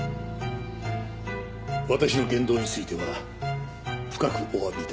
私の言動については深くおわび致します。